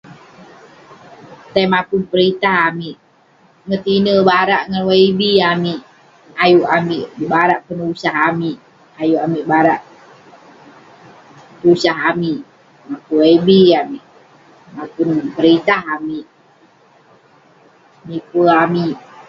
Tai mapun peritah amik, ngetiner barak ngan YB amik. Ayuk amik barak penusah amik, ayuk amik barak tusah amik. Mapun YB amik, mapun peritah amik. Miper amik.